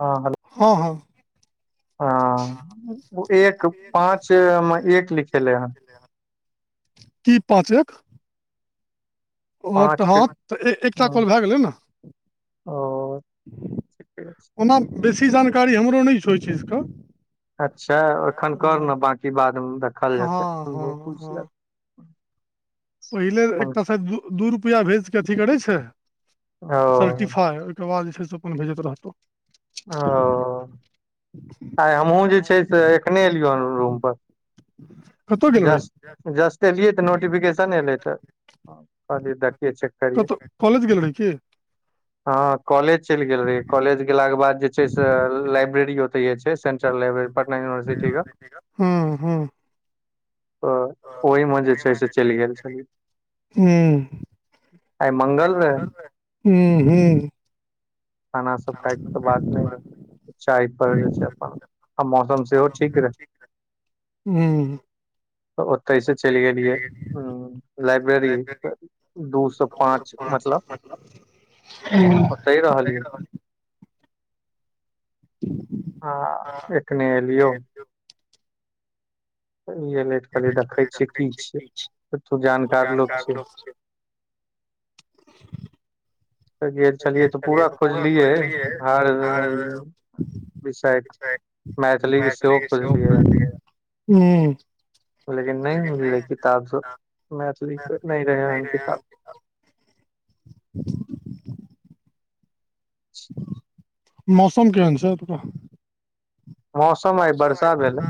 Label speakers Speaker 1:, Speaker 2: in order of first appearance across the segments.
Speaker 1: हँ हेलो
Speaker 2: हऽ हऽ
Speaker 1: हऽ ओ एक पाँच में एक लिखे लै हन
Speaker 2: की पाँच एक ओ तऽ हँ तऽ एकटा कॉल भै गेलै न
Speaker 1: ओ [inaudible] ठीके छै
Speaker 2: बेसी जानकारी हमरो नै छैउ ओइ चीज कऽ
Speaker 1: अच्छा एखन कर न बकी बाद म देखल जेतै [unintelligible]
Speaker 2: पहिले एकटा दू रुपआ भेज के अथी करे छै सर्टिफाइ तकर बाद जे छै से अपन भेजैत रहतौ
Speaker 1: ओऽ
Speaker 2: [inaudible]
Speaker 1: आय हमहुँ जे छै से एखने एलियो ह रूम पर
Speaker 2: [inaudible]
Speaker 1: जस्ट जस्ट अएलियै तऽ नोटिफिकेशन एलै तऽ कहलिये दखिये चेक करियऔ
Speaker 2: [unintelligible]
Speaker 1: हँ कॉलेज चैल गेल रही कॉलेज गेला के बाद जे छै से लाइब्रेरी ऐतेय छै सेट्रल लाइबे पटना यूनिवर्सिटी के
Speaker 2: हूँ हूँ [inaudible] हूँ आए मंगल रहे हूँहूँ
Speaker 1: खाना सब खायके तऽ बात नय रहै चाइ पर जे छै अपन आ मौसम सेहो ठीक रह
Speaker 2: हूँ
Speaker 1: तऽ ओतय से चल गेलियै हू लाइब्रेरी दू स पाँच मतलब
Speaker 2: [inaudible]
Speaker 1: ओतैंय रहलियै हा एखने एलियौ ऐलिए लेट कऽ कहलिए देखय छियै की छियै त तू जानकार लोक छिय
Speaker 2: जे केलियै ओ पूरा खोजलियै आर [inaudible] मैथिली सेहो खोजलिए
Speaker 1: लेकिन नय मिललै किताब सब मैथिली क नय रह है किताब [inaudible]
Speaker 2: मौसम केहन छौ ओतुका
Speaker 1: मौसम आय वर्षा भेले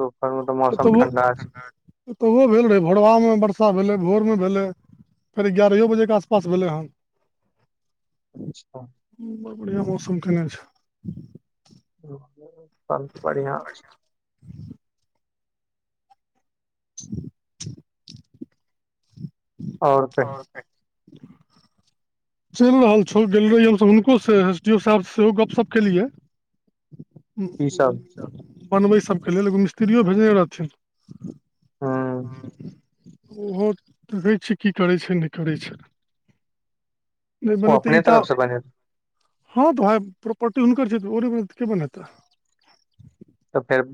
Speaker 1: दुपहर मे त मौसम ठंडा छै
Speaker 2: एतहो भेल रहै भोरबा में वर्षा भेलै भोर मे भेलै फेर एगारहयो बजे के आसपास भेलै हन
Speaker 1: [inaudible] अच्छा
Speaker 2: बड़ बढ़िया मौसम केने छैय
Speaker 1: तब तऽ बढ़िया छैय
Speaker 2: [inaudible] ओर कही
Speaker 1: [inaudible]
Speaker 2: चैल रहल छौ गेल रहियै हम सब हुनको से एस डी ओ साहब से सेहो गपशप केलियै [inaudible] उहूं बनबै सभके लेल एगो मिस्त्रीयो भेजने रहथिन्ह ओहो दैखेय छी की करै छैय नय करै छैय नय बनेतै ई तऽ हँ तऽ भाय प्रॉपर्टी हुनकर छैय तऽ ओे नय बनेतै त के बनेतै
Speaker 1: तऽ फेर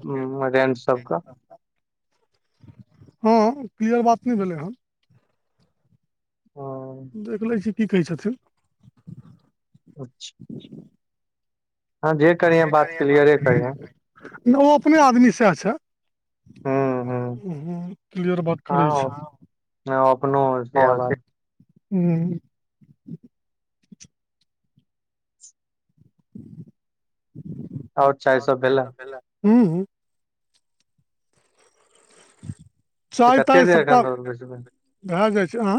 Speaker 1: रेंट सबके
Speaker 2: हँ क्लियर बात नय भेलै हँ
Speaker 1: [unintelligible]
Speaker 2: देख लै छियै की कहै छथिन
Speaker 1: [unintelligible]
Speaker 2: [unintelligible] नै ओ अपने आदमी सैह छै [unintelligible] क्लियर बात करै छै
Speaker 1: न अपनो सेहे बात
Speaker 2: [unintelligible] [inaudible] और चाय सब भेलै हुँ हुँ [inaudible] चाय ताइ सबटा [inaudible] भै जै छै न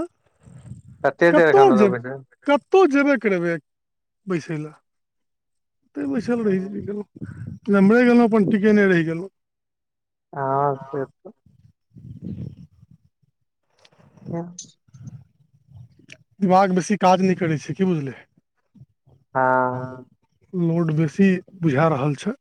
Speaker 2: [inaudible] कतऽ जेबै कतऽ जेबे करबै [inaudible] बैसैल एतै बैसल रहै [unintelligible] गेलौ नै अपन टीकेने रहि गेलहुँ
Speaker 1: अहाँ स खोजत तऽ [unintelligible]
Speaker 2: [inaudible] दिमाग बेसी काज नै करै छै की बुझलीहि हऽ लोड बेसी बुझै रहल छै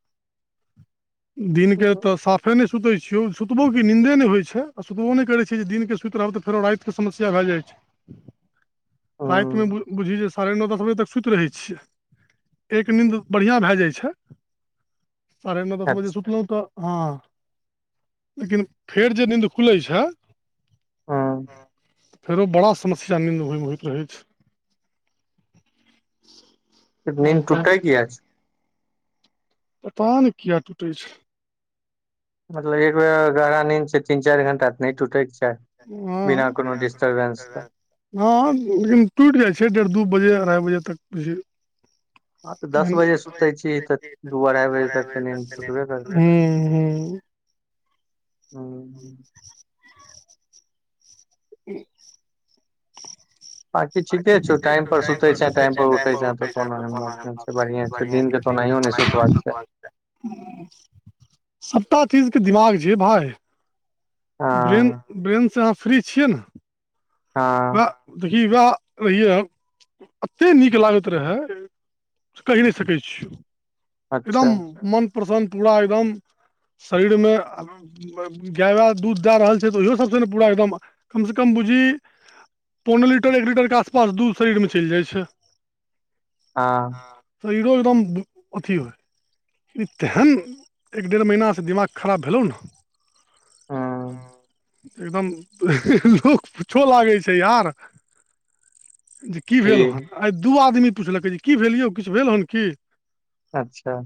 Speaker 2: [inaudible] दिन केँ तऽ साफ नै सुतै छियौ सुतबो कि नीन्दे नै होय छै आ सुतबो नै करै छियै जे दिन कऽ सुत रहब तऽ फेरो राइत- समस्या भै जाय छै
Speaker 1: [inaudible]
Speaker 2: राइत में बु बुझही जे साढ़े नौ दस बजे तक सुत रहै छियै एक नीन्द बड़ियाँ भै जाय छै [inaudible] साढ़े नौ दस बजे सुतलौ तऽ हँ [inaudible] लेकिन फेर जे नीन्द खुलै छै
Speaker 1: हँ
Speaker 2: फेरो बड़ा समस्या निन्द होय मे होइत रहै छै
Speaker 1: फीर नीन्द टूटै किया छै
Speaker 2: पता नै किया टूटे छै
Speaker 1: मतलब एक बेर अगर गहरा नीन्द छै तीन चाइर घंटा तऽ नै टूटै कऽ चाही
Speaker 2: [unintelligible] हँ लेकिन टुटि जाय छै डेढ़ दू बजे अढ़ाय बजे तक बुझियै
Speaker 1: हँ तऽ दस बजे सुत छी तऽ दू अढ़ाय बजे तक तऽ नीन्द टुटबे करतौ
Speaker 2: [unintelligible]
Speaker 1: [unintelligible]
Speaker 2: [unintelligible]
Speaker 1: बाकी ठीके छौ टाइम पर सुते छे टाइम पर उठे छे तऽ कोनो एहन बात छै बढ़िआं छै दिन केँ ओनैहियो नै सुतवा कऽ चा
Speaker 2: [inaudible] सबटा चीज कऽ दिमाग छै भाय। ब्रेन से ब्रेन अहाँ फ्री छियै न।
Speaker 1: [unintelligible]
Speaker 2: देखिगा रहिये हम [inaudible] एते नीक लागैत रहै कैह तै सकै छियै [inaudible] एकदम मन पसन्द पूरा एकदम। शरीर में गाय बा दूध दै रहल छै तऽ ओहि ओ सबस न पूरा एकदम कम स कम बुझी। पौन लीटर एक लीटर केँ आसपास दूध शरीर मे चैल जाइ छै।
Speaker 1: हँ
Speaker 2: शरीरो एकदम अथी होय। ई तेहन एक डेढ़ महिनासँ दिमाग खराब भेलहुँ ने। एकदम लोक पुछो लागै छै यार। जे की भेल हन आइ दू आ‌दमी पुछलकै जे की भेल यौ किछु भेल हन की।
Speaker 1: अच्छा।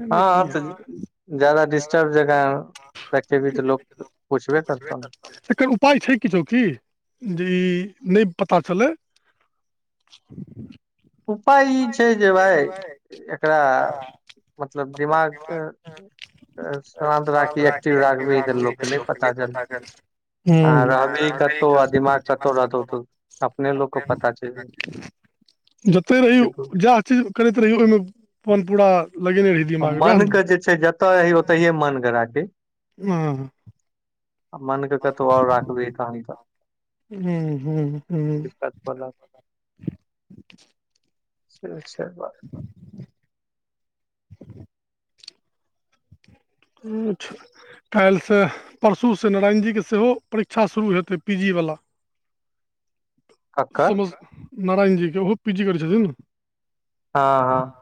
Speaker 2: नय नय की हेतै
Speaker 1: ज्यादा डिस्टर्ब जकाँ देखैबेय तऽ लोक पुछबे करतौ न
Speaker 2: एकर उपाय छै किछो की जे ई नय पता चलै। [inaudible]
Speaker 1: उपाय ई छै जे भाय एकरा। मतलब दिमाग से।
Speaker 2: सी अी लोक के नय पता चल। हुँ आ रहबिही कतौ आ दिमाग कतौ रहतौ तखने लोक के पता चलि जाय हय जतै रहै
Speaker 1: [inaudible]
Speaker 2: जैह चीज करैत रहियो ओहिमे अपन पूरा लगेने रहि।
Speaker 1: आ मनके जे छै जतऽ रही ओतहिए मनके राखी।
Speaker 2: हँ
Speaker 1: आ मनके कतौ आओर राखबही तहन तऽ दिक्कत होलत। से छै बात।
Speaker 2: [inaudible] काल्हिसँ परसूसँ नारायणजीके सेहो परीक्षा शुरू हेतै पी जी वला।
Speaker 1: [inaudible]
Speaker 2: समझ नारायण जी के ओहो पी जी करै छथिन न।
Speaker 1: हँ हँ।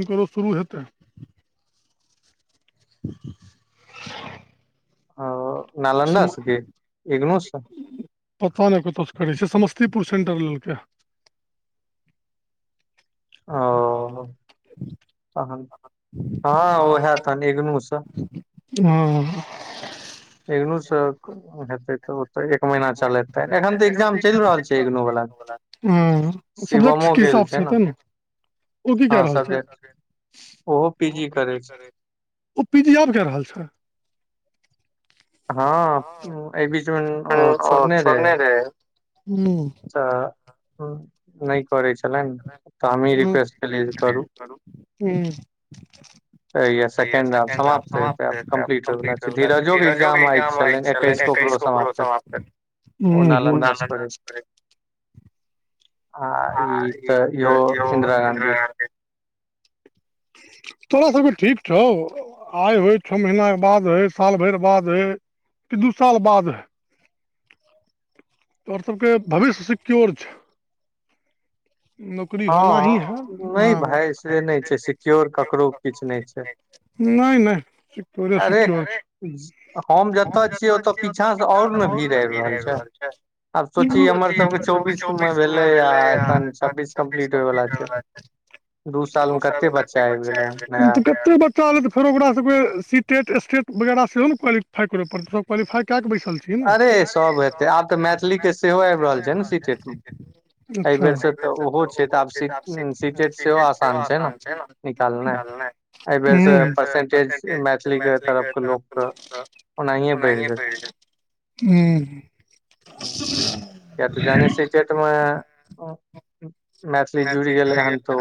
Speaker 2: एकरो शुरू हेतै। [inaudible]
Speaker 1: ओ नालन्दा स की इग्नू सँ।
Speaker 2: पता नय कतयसँ करै छै समस्तीपुर सेंटर लेलकै। ओ
Speaker 1: तहन हँ ओहे तहन इग्नू स इग्नू स हेतै तऽ तऽ एक महीना चलेतै एखन तऽ इग्जाम चलि रहल छै इग्नू वाला के शिवमो गेल छै न
Speaker 2: उ की कै रहल छै ओ पीजी आब कै रहल छै।
Speaker 1: हँ एहि बीच मे ओ छोरनेे रहै।
Speaker 2: हुँ
Speaker 1: तऽ हँ नय करै छलनि तऽ हमहीँ रिक्वेस्ट केलियै जे करू।
Speaker 2: हुँ लगैये सकेंण्ड आब समाप्त हेतै कम्पलिट होयबला छै निरजो के इग्जाम आइ छलनि एकैस कऽ ओकरो समाप्त हेतै
Speaker 1: आ इ तऽ इहो इंन्दिरा गाँधी
Speaker 2: तोरा सब के ठीक छौ आय होय छौ महीना के बाद होय साल भैर बाद होय की दू साल बाद होय
Speaker 1: [inaudible]
Speaker 2: तोहर सब के भविष्य सिक्योर छौ नौकरी होना ही है हँ
Speaker 1: सिक्योर केकरो किछ नैय छै
Speaker 2: नैय नैय सिक्योरे सिक्योरे छैय
Speaker 1: हम जतऽ छीयै ओतऽ पीछा से और न भीड़ अैब रहल छैय आब सोचही हमर सबके चौबीस मे भेलै आ एखन छब्बीस कम्प्लीट होयवला छैय दू साल में कते बच्च
Speaker 2: [inaudible] फेरो ओकरा सब के सिटेट स्टेट वैगेराह से हो नै क्वालिफाई करऽ पड़ क्वालिफाई कए के बैसल अरे सब एतै आब तऽ मैथिली के सेहो आब रहल छै ने सिटेट अच्छा ऐय बेर से तऽ ओहो छै आब सीटेट सेहो आसान छै ने निकल नैय
Speaker 1: ऐय बेर सँ परसेन्टेज मैथिली के तरफ के लोक के ओनाहिए बैढ़ जेतै
Speaker 2: हूँ
Speaker 1: ह किए तऽ जाहने सिटेट मऽ [inaudible] मैथिली जुड़ि गेलै हन तो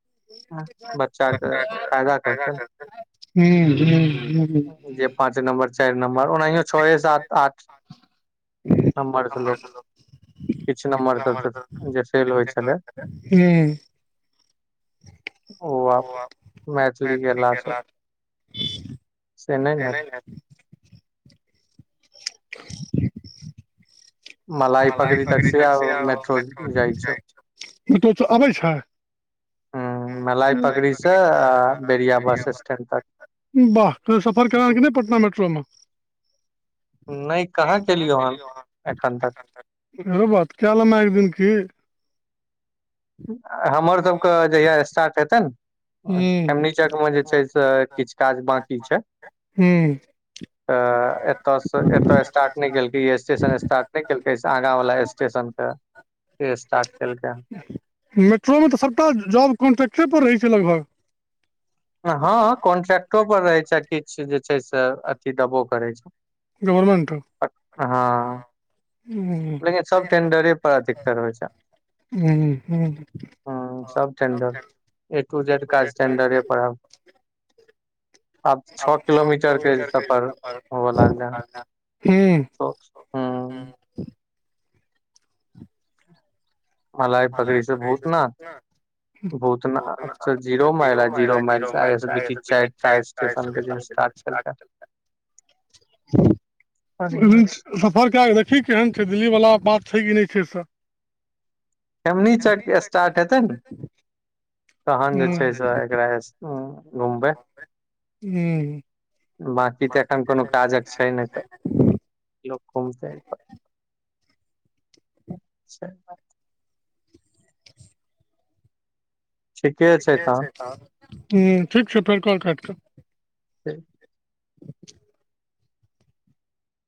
Speaker 1: [inaudible] बच्चा के फायदा करतैन
Speaker 2: हूँ हूँ हूँ
Speaker 1: जे पाँच नम्बर चैर नम्बर ओनाहियो छए सात आठ नम्बर से लोक किछ नम्बर सब से जे फेल होय छेलै
Speaker 2: हूँ
Speaker 1: ओ आब मैथिली के ऐला से से नैय न हेते मलाही पकड़ी तक से आब मेट्रो जाय छौ
Speaker 2: [unintelligible] अबै छै
Speaker 1: हू मलाहीपकड़ी से आ बेरिया बस स्टैंड तक
Speaker 2: बाह कहियो सफर केला की नैय पटना मेट्रो में
Speaker 1: नैय कहाँ कलियौ हन एखन तक
Speaker 2: रो बात कए लेैमा एक दिन की
Speaker 1: हमर सबके जहिया स्टार्ट हेतै नै खैमनीचक मे जे छै से किछ काज बकी छै तऽ एत स एतय स्टार्ट नै केलकै स्टेशन स्टार्ट नैय केलकै आगा वाला स स्टेशन पे स्टार्ट केलकैय हन
Speaker 2: मेट्रो मे तऽ सबटा जॉब कॉन्ट्रै्टे पर रहै छैय लगभग
Speaker 1: हँ कॉन्ट्रक्टो पर रहेै छै किछ जे छै से अथी देबो करै छैय [inaudible] हँ लेकिन सब टेंडरे पर अधिकतर होइ छै ह सब टेंडर ए टू जेड काज टेंडरे पर आब आब छओ किलोमीटर के सफर होव लागले हन मालाही पकड़ी स भुतनाथ भुतनाथ स जीरो माइल आ जीरो माइली से आइ एस बीटी चार टा स्टेशन के जे स्टार्ट केलके
Speaker 2: [inaudible] एकदिन सफर क्य देख ठीक केहन छै दिल्लीवला आब बात छै कि नय छै स
Speaker 1: एमनी चक स्टार्ट हेतै ने तहन जे छै से एकरा हँ घुमबै बाँकी तऽ एखन कोनो काजक छै नय तऽ लोक घूमतै [inaudible]
Speaker 2: ठीके छै तहन ठीक छै फेर कॉल काटि कऽ
Speaker 1: ठीक
Speaker 2: [inaudible]